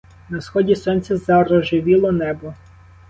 На сході сонця зарожевіло небо.